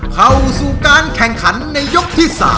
เข้าสู่การแข่งขันในยกที่๓